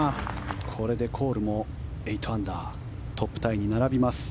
これでコールも８アンダートップタイに並びます。